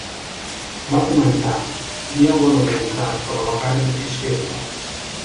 Va comentar: "Hi ha bona voluntat, però la carn és feble".